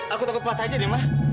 aku takut matah saja deh ma